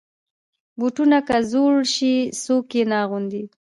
بوټونه که زوړ شي، څوک یې نه اغوندي.